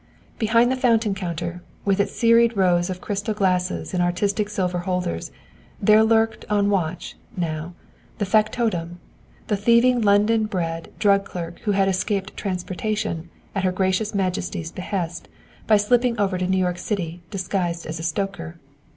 Behind the fountain counter, with its serried rows of crystal glasses in artistic silver holders, there lurked on watch, now, the factotum, the thieving London bred drug clerk who had escaped "transportation," at Her Gracious Majesty's behest, by slipping over to New York City disguised as a stoker.